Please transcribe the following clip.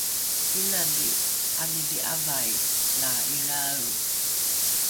inali ’adhili ’avai la ilrae